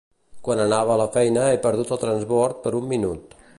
Quan anava a la feina he perdut el transbord per un minut.